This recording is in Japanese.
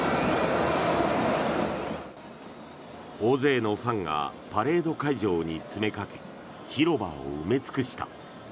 大勢のファンがパレード会場に詰めかけ広場を埋め尽くした。